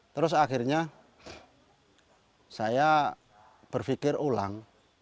terus akhirnya saya berpikir ulang